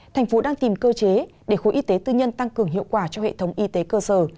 thành phố đang tìm cơ chế để khối y tế tư nhân tăng cường hiệu quả cho hệ thống y tế cơ sở